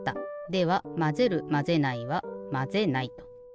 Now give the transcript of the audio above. ではまぜるまぜないは「まぜない」と。